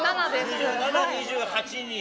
２７、２８に。